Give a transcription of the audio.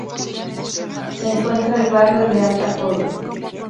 Se encuentra el barrio de Alta Córdoba.